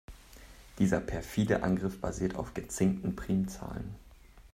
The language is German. Dieser perfide Angriff basiert auf gezinkten Primzahlen.